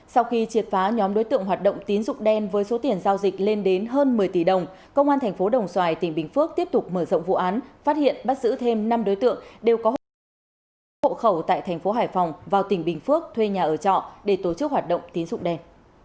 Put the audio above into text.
sau khi triệt phá nhóm đối tượng hoạt động tín dụng đen với số tiền giao dịch lên đến hơn một mươi tỷ đồng công an thành phố đồng xoài tỉnh bình phước tiếp tục mở rộng vụ án phát hiện bắt giữ thêm năm đối tượng đều có hộ khẩu tại thành phố hải phòng vào tỉnh bình phước thuê nhà ở trọ để tổ chức hoạt động tín dụng đen